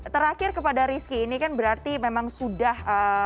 terakhir kepada rizky ini kan berarti memang sudah